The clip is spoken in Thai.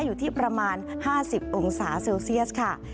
อยู่ที่ประมาณ๕๐องศาเซลเซียสค่ะ